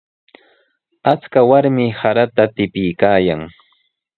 Achka warmi sarata tipiykaayan.